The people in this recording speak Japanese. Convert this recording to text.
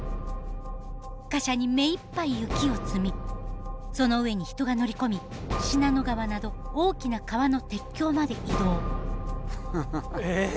貨車に目いっぱい雪を積みその上に人が乗り込み信濃川など大きな川の鉄橋まで移動。